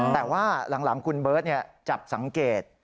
แต่ว่าหลังคุณเบิร์ตจับสังเกต